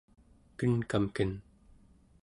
kenkamken